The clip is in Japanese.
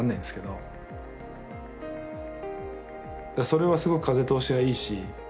それはすごく風通しがいいし。